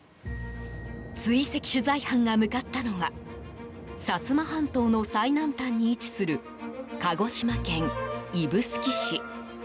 追跡取材班が向かったのは薩摩半島の最南端に位置する鹿児島県指宿市。